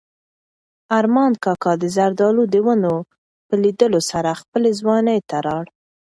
ارمان کاکا د زردالو د ونو په لیدلو سره خپلې ځوانۍ ته لاړ.